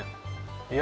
いや